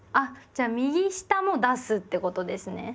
じゃあ右下も出すってことですね。